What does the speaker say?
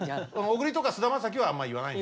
小栗とか菅田将暉はあんま言わない。